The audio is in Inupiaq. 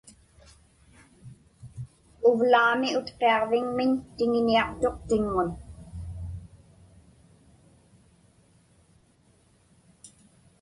Uvlaami Utqiaġviŋmiñ tiŋiniaqtuq tiŋŋun.